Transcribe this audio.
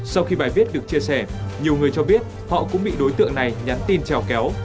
sau khi bài viết được chia sẻ nhiều người cho biết họ cũng bị đối tượng này nhắn tin trèo kéo